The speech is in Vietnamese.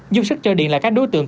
dung sức cho điền là các đối tượng